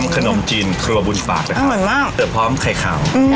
ขนมจีนขนมบุญฝากนะครับอร่อยมากเพราะแคร่ขาวอืม